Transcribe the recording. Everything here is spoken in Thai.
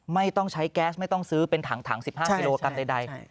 ไม่ต้องใช้แก๊สไม่ต้องซื้อเป็นถังถังสิบห้ากิโลกรัมใดใดใช่ใช่